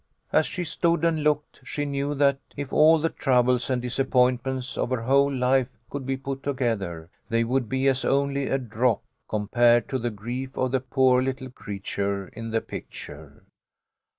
As she stood and looked, she knew that if all the troubles and disappointments of her whole life could be put together, they would be as only a drop compared to the grief of the poor little creature in the picture.